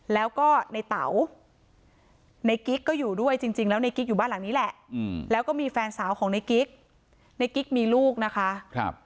แล้วก็ในเต๋าในกิ๊กก็อยู่ด้วยจริงแล้วในกิ๊กอยู่บ้านหลังนี้แหละแล้วก็มีแฟนสาวของในกิ๊กในกิ๊กมีลูกนะคะ